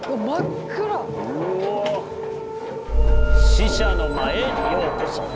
死者の間へようこそ。